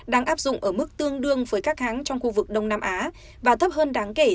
đang áp dụng ở mức tương đương với các hãng trong khu vực đông nam á và thấp hơn đáng kể